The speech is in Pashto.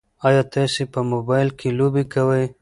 ایا تاسي په موبایل کې لوبې کوئ؟